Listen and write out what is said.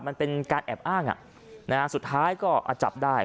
มันเป็นการแอบอ้างสุดท้ายก็จับได้